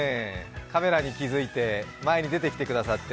カメラに気づいて前に出てきてくださって。